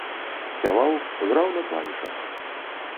Спяваў, граў на клавішах.